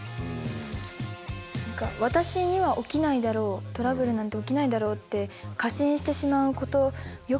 何か私には起きないだろうトラブルなんて起きないだろうって過信してしまうことよくあることなので。